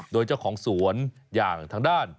โดยเจ้าของสวนอย่างทางด้าน